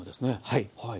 はい。